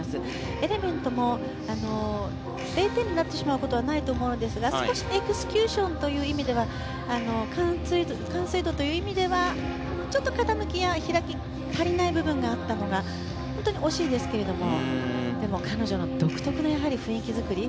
エレメントも０点になってしまうことはないと思いますが少しエクスキューションという意味では完成度という意味ではちょっと傾きや、開きが足りない部分があったのが惜しいですけどでも、彼女の独特な雰囲気作り